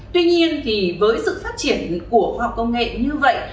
tuy nhiên thì với sự phát triển của khoa học công nghệ như vậy